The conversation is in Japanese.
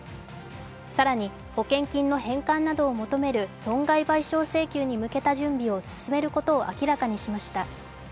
更に、保険金の返還などを求める損害賠償請求に向けた準備を進めることを明らかにしました。